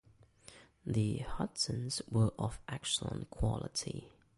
The "Hudsons" were of excellent quality.